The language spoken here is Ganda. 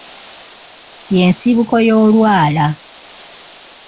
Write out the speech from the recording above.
Ye nsibuko y'olwala.